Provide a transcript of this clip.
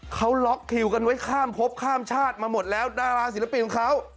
เขาล็อกคิวกันไว้ข้ามพบข้ามชาติมาหมดแล้วดาราศิลปินของเขา